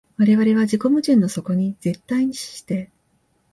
我々は自己矛盾の底に絶対に死して、